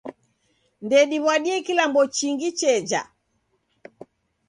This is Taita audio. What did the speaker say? Ndediw'adie kilambo chingi cheja.